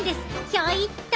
ひょいっと！